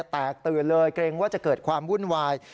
แตกตื่นเลยเกรงว่าจะเกิดความวุ่นวาย